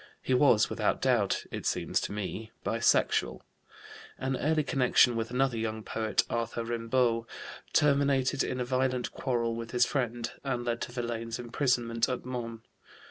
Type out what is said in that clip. He was without doubt, it seems to me, bisexual. An early connection with another young poet, Arthur Rimbaud, terminated in a violent quarrel with his friend, and led to Verlaine's imprisonment at Mons.